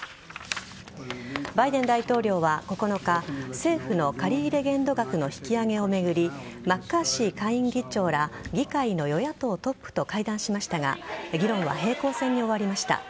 バイデン大統領は９日政府の借り入れ限度額の引き上げを巡りマッカーシー下院議長ら議会の与野党トップと会談しましたが議論は平行線に終わりました。